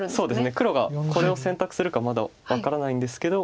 黒がこれを選択するかまだ分からないんですけど。